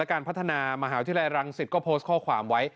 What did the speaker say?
การพัฒนามหาวิทยาลัยรังสิตก็โพสต์ข้อความไว้